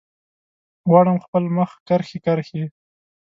غواړم خپل مخ کرښې، کرښې